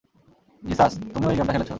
Jesus - তুমিও এই গেমটা খেলেছো?